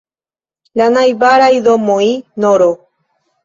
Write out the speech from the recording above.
La najbaraj domoj nr.